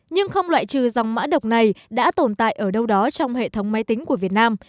nhưng không loại trừ dòng mã độc này đã tồn tại ở đâu đó trong hệ thống máy tính của việt nam